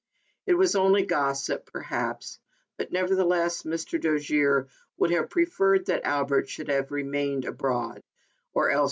It was only gossip, per haps, but, nevertheless, Mr. Dojere would have pre ferred that Albert should have remained abroad, or else